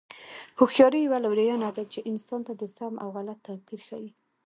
هوښیاري یوه لورینه ده چې انسان ته د سم او غلط توپیر ښيي.